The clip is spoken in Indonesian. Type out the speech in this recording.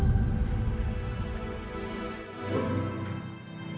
semoga ini tidak akan jadi kekacauan